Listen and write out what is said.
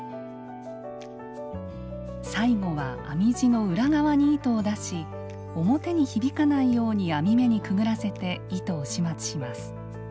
最後は編み地の裏側に糸を出し表にひびかないように編み目にくぐらせて糸を始末します。